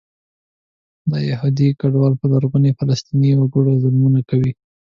دا یهودي کډوال په لرغوني فلسطیني وګړو ظلمونه کوي.